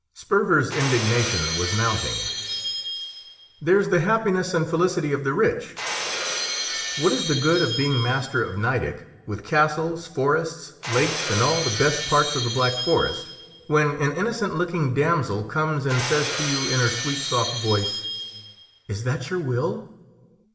Sperver's indignation was mounting. "There's the happiness and felicity of the rich! What is the good of being master of Nideck, with castles, forests, lakes, and all the best parts of the Black Forest, when an innocent looking damsel comes and says to you in her sweet soft voice, 'Is that your will?